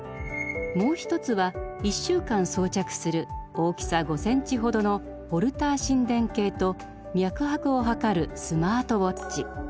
もう一つは１週間装着する大きさ５センチほどのホルター心電計と脈拍を測るスマートウォッチ。